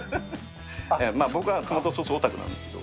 僕はトマトソースオタクなんですけど。